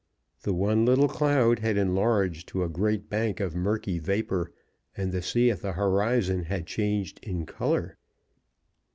The one little cloud had enlarged to a great bank of murky vapor, and the sea at the horizon had changed in color.